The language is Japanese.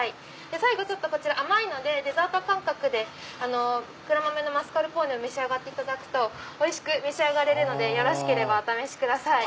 最後こちら甘いのでデザート感覚で黒豆のマスカルポーネを召し上がっていただくとおいしく召し上がれるのでよろしければお試しください。